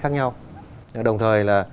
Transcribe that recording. khác nhau đồng thời là